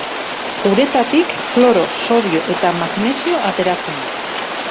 Uretatik kloro, sodio eta magnesio ateratzen da.